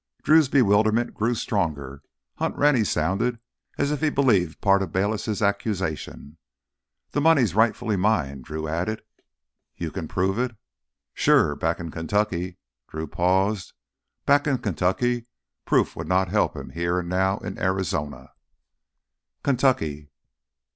Drew's bewilderment grew stronger. Hunt Rennie sounded as if he believed part of Bayliss' accusation! "That money's rightfully mine," Drew added. "You can prove it?" "Sure. Back in Kentucky...." Drew paused. Back in Kentucky proof would not help him here and now in Arizona. "Kentucky?"